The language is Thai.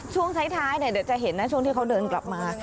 ช่วงท้ายเดี๋ยวจะเห็นนะช่วงที่เขาเดินกลับมา